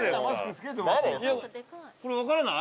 これ分からない？